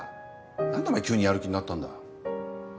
何でお前急にやる気になったんだ？